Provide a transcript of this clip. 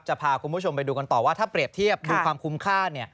จะพาคุณผู้ชมไปดูกันต่อว่าถ้าเปรียบเทียบดูความคุ้มค่า